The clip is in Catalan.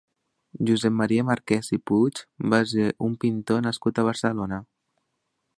Josep Maria Marquès i Puig va ser un pintor nascut a Barcelona.